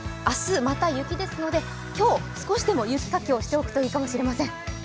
明日また雪ですので今日少しでも雪かきをしておくといいかもしれません。